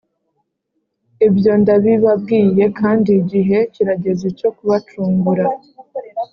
ibyo ndabibabwiye kandi igihe kirageze cyo kubacungura,